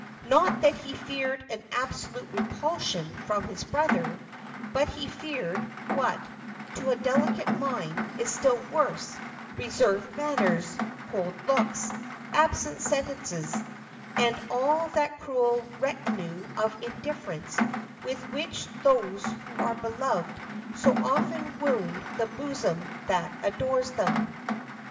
Not that he feared an absolute repulsion from his brother; but he feared, what, to a delicate mind, is still worse reserved manners, cold looks, absent sentences, and all that cruel retinue of indifference with which those who are beloved so often wound the bosom that adores them.